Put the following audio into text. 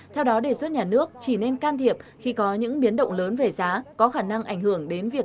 theo đó đề xuất nhà nước chỉ nên can thiệp khi có những biến động lớn về giá có khả năng ảnh hưởng đến việc